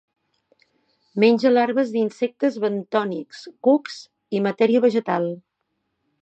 Menja larves d'insectes bentònics, cucs i matèria vegetal.